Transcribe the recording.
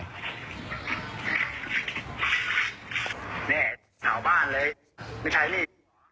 นี่สาวบ้านเลยไม่ใช่นี่